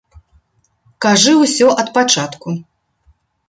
Кажы ўсё ад пачатку.